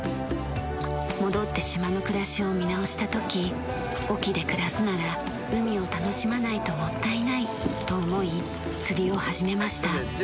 戻って島の暮らしを見直した時隠岐で暮らすなら海を楽しまないともったいないと思い釣りを始めました。